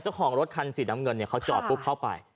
เจ้าของรถคันสีน้ำเงินเนี่ยเขาจอดปุ๊บเข้าไป